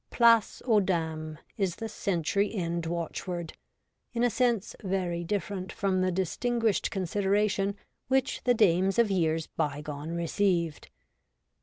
Place aux dames is the century end watchword, in a sense very different from the distinguished consideration which the dames of years bygone received.